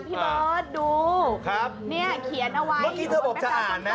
พี่เบิร์ตดูนี่เขียนเอาไว้อยู่แม่งกาศกรรมเมื่อกี้เธอบอกจะอ่านนะ